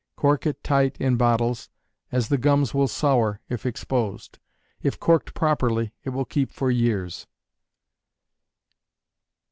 Cork it tight in bottles, as the gums will sour, if exposed. If corked properly it will keep for years.